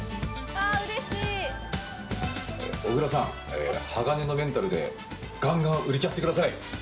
小椋さん、鋼のメンタルでがんがん売れちゃってください。